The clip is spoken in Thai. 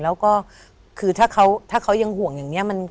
แล้วก็คือถ้าเขายังห่วงอย่างนี้